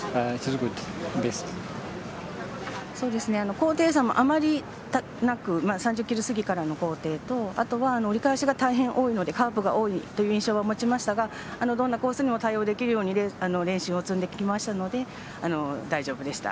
高低差もあまりなく３０ｋｍ過ぎからの高低とあとは、折り返しが大変多いのでカーブが多いという印象は持ちましたがどんなコースにも対応できるように練習を積んできましたので大丈夫でした。